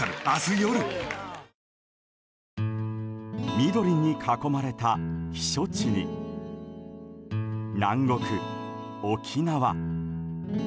緑に囲まれた避暑地に南国・沖縄。